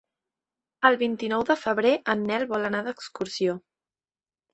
El vint-i-nou de febrer en Nel vol anar d'excursió.